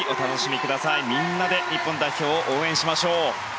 みんなで日本代表を応援しましょう。